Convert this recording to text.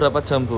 dapat jam bu